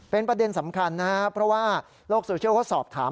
เป็นประเด็นสำคัญนะครับเพราะว่าโลกโซเชียลเขาสอบถาม